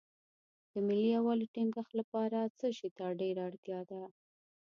د ملي یووالي ټینګښت لپاره څه شی ته ډېره اړتیا ده.